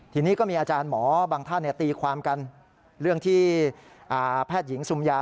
ทีนี้ก็มีอาจารย์หมอบางท่านตีความกันเรื่องที่แพทย์หญิงซุมยา